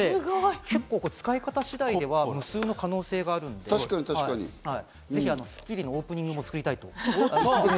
結構、使い方次第では無数の可能性があるので、ぜひ『スッキリ』のオープニングも作りたいと。